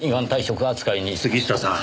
杉下さん。